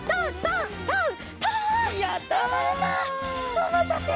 おまたせ。